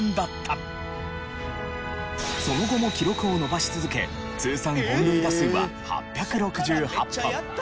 その後も記録を伸ばし続け通算本塁打数は８６８本。